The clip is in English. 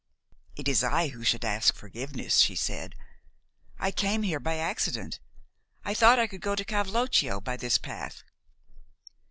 "It is I who should ask forgiveness," she said. "I came here by accident. I thought I could go to Cavloccio by this path."